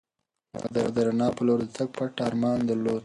هغه د رڼا په لور د تګ پټ ارمان درلود.